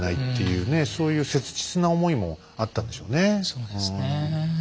そうですね。